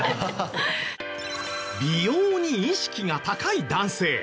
美容に意識が高い男性。